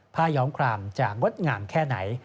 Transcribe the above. ย้อมครามจะงดงามแค่ไหน